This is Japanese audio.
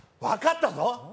わかったぞ！